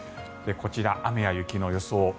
こちら、雨や雪の予想。